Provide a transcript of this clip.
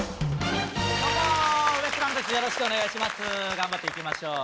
頑張っていきましょう。